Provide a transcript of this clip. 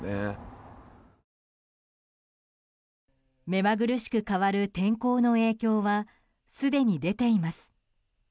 目まぐるしく変わる天候の影響はすでに出ています。